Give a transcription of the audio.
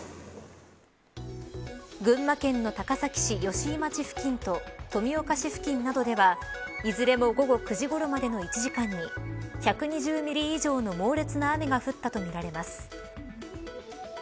群馬県の高崎市、吉井町付近と富岡市付近などではいずれも午後９時ごろまでの１時間に１２０ミリ以上の猛烈な雨が降ったとみられます。